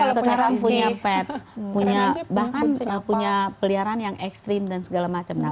sekarang punya pets punya bahkan punya peliharaan yang ekstrim dan segala macam